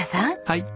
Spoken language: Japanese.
はい。